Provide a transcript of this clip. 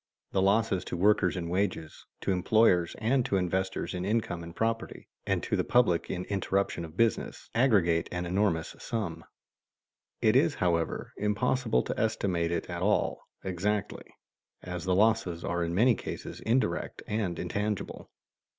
_ The losses to workers in wages, to employers and to investors in income and property, and to the public in interruption of business, aggregate an enormous sum. It is, however, impossible to estimate it at all exactly, as the losses are in many cases indirect and intangible.